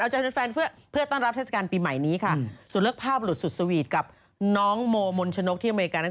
ใจแฟนเพื่อต้อนรับเทศกาลปีใหม่นี้ค่ะส่วนเรื่องภาพหลุดสุดสวีทกับน้องโมมนชนกที่อเมริกานั้น